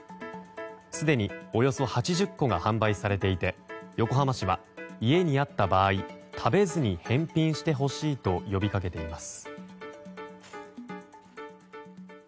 すでにおよそ８０個が販売されていて横浜市は家にあった場合、食べずに返品してほしいと呼びかけています。